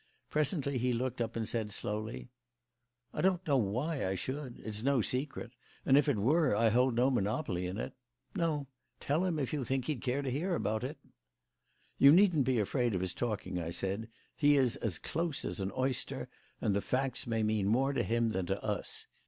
Presently he looked up, and said slowly: "I don't know why I should. It's no secret; and if it were, I hold no monopoly in it. No; tell him, if you think he'd care to hear about it." "You needn't be afraid of his talking," I said. "He is as close as an oyster; and the facts may mean more to him than to us.